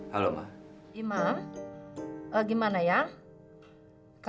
tidak ada yang bisa diberikan